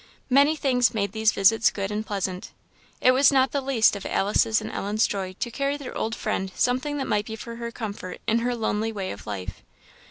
Many things made these visits good and pleasant. It was not the least of Alice's and Ellen's joy to carry their old friend something that might be for her comfort in her lonely way of life.